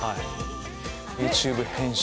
「ＹｏｕＴｕｂｅ編集」。